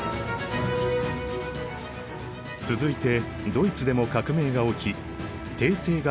続いてドイツでも革命が起き帝政が解体。